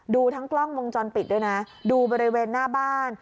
ดูทั้งกล้องวงจรปิดด้วยนะดูบริเวณหน้าบ้าน